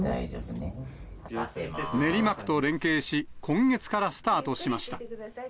練馬区と連携し、今月からスタートしました。